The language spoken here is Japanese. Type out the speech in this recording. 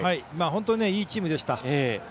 本当に、いいチームでした。